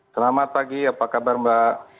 selamat pagi apa kabar mbak